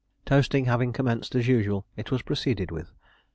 Toasting having commenced, as usual, it was proceeded with.